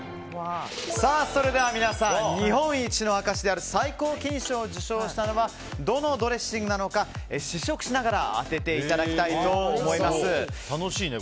さあ、それでは皆さん日本一の証しである最高金賞を受賞したのはどのドレッシングなのか試食しながら当てていただきたいと思います。